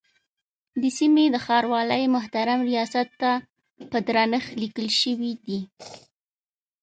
د سیمې د ښاروالۍ محترم ریاست ته په درنښت لیکل شوی دی.